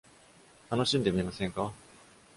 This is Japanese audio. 楽しんでみませんか？